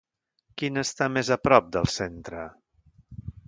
Quina està més a prop del centre?